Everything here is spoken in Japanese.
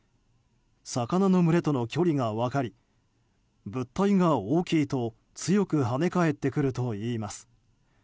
魚の群れとの距離が分かり物体が大きいと強く跳ね返ってくるといいます。